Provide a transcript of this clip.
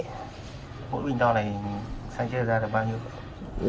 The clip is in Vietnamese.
mỗi bình đo này sang chết ra được bao nhiêu